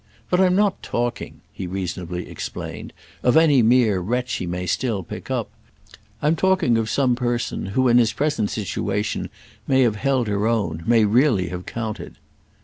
But I'm not talking," he reasonably explained, "of any mere wretch he may still pick up. I'm talking of some person who in his present situation may have held her own, may really have counted."